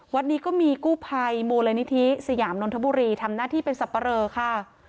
วัดนี้ก็มีกู้ภัยมูลนิธิสยามนนทบุรีทำหน้าที่เป็นสับปะเรอค่ะ